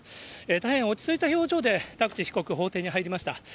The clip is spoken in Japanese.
大変落ち着いた表情で、田口被告、法廷に入りました。